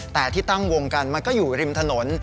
แต่ที่ตั้งวงกันมันก็อยู่ริมถนน